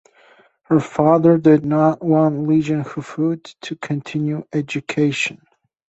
Her father did not want Leijonhufvud to continue education.